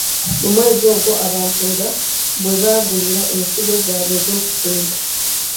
Mu mwezi ogwo abantu nga mwebagulira ensigo zaabwe ez'okusimba.